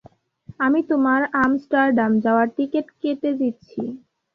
আমি তোমার আমস্টারডাম যাওয়ার টিকেট কেটে দিচ্ছি।